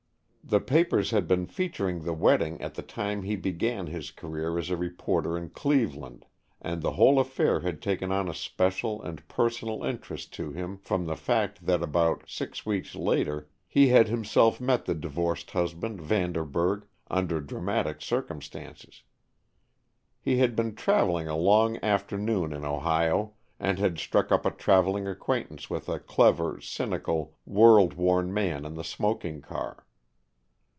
The papers had been featuring the wedding at the time he began his career as a reporter in Cleveland, and the whole affair had taken on a special and personal interest to him from the fact that about six weeks later he had himself met the divorced husband, Vanderburg, under dramatic circumstances. He had been traveling a long afternoon in Ohio, and had struck up a traveling acquaintance with a clever, cynical, world worn man in the smoking car.